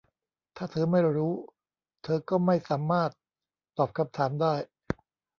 ถ้าเธอไม่รู้ เธอก็ไม่สามารถตอบคำถามได้